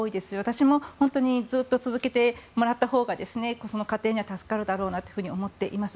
私もずっと続けてもらったほうがその家庭には助かるだろうなと思います。